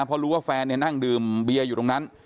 เพราะรู้ว่าแฟนนั่งดื่มเบียร์อยู่ตรงนั้น